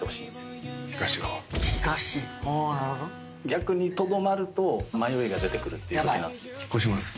逆にとどまると迷いが出てくるってときなんです。